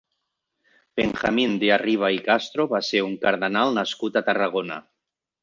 Benjamín de Arriba i Castro va ser un cardenal nascut a Tarragona.